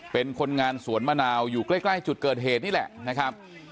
เป็นคนงานสวนมะนาวอยู่ใกล้จุดเกิดเหตุนี่แหละนะครับ